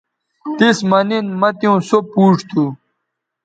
تس مہ نن مہ تیوں سو پوڇ تھو